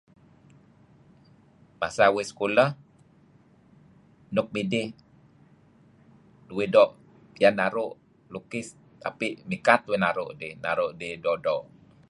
Masa uih sekolah nuk midih uih doo' piyan naru' lukis, tapi' mikat uih naru' dih naru' dih doo' doo'.